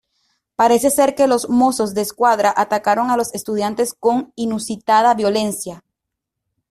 Parece ser que los Mozos de Escuadra atacaron a los estudiantes con inusitada violencia.